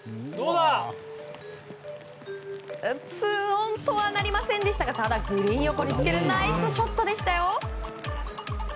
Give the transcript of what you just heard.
２オンとはなりませんでしたがただ、グリーン横につけるナイスショットでしたよ。